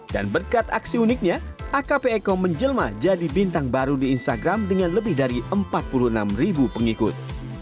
berkat aksi uniknya akp eko menjelma jadi bintang baru di instagram dengan lebih dari empat puluh enam ribu pengikut